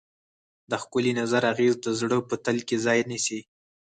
د ښکلي نظر اغېز د زړه په تل کې ځای نیسي.